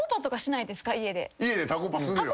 家でタコパするよ。